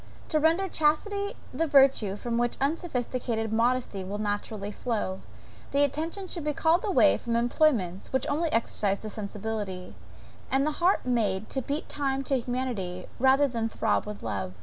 To render chastity the virtue from which unsophisticated modesty will naturally flow, the attention should be called away from employments, which only exercise the sensibility; and the heart made to beat time to humanity, rather than to throb with love.